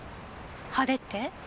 派手って？